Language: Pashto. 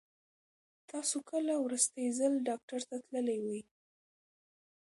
تاسو کله وروستی ځل ډاکټر ته تللي وئ؟